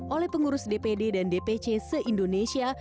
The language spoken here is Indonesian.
oleh pengurus dpd dan dpc se indonesia